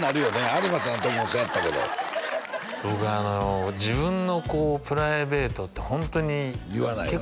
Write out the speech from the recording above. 有馬さんの時もそうやったけど僕自分のプライベートってホントに言わないよね